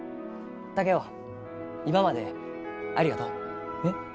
竹雄今までありがとう。えっ？